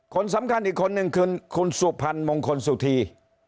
คนสำคัญอีกคนนึงคือคุณสุพรรณมงคลสุธี